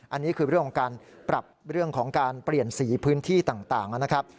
อันนี้คือเรื่องของการปรับเรื่องของการเปลี่ยนสีพื้นที่ต่างนะครับ